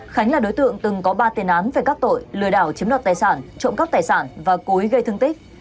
khánh là đối tượng từng có ba tiền án về các tội lừa đảo chiếm đọt tài sản trộm cắp tài sản và cối gây thương tích